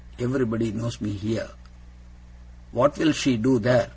Everybody knows me here.' 'What will she do there?